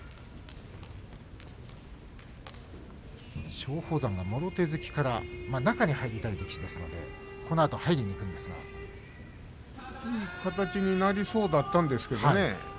松鳳山がもろ手突きから中に入りたい力士ですのでこのあと入りにいい形になりそうだったんですけどね